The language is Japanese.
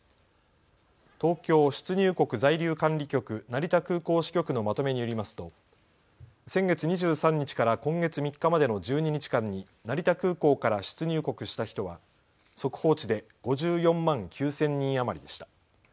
東京出入国在留管理局成田空港支局のまとめによりますと先月２３日から今月３日までの１２日間に成田空港から出入国した人は速報値で５４万９０００人余りでした。